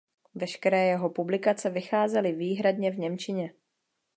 Veškeré jeho publikace vycházely výhradně v němčině.